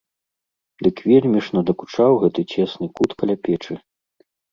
Дык вельмі ж надакучаў гэты цесны кут каля печы.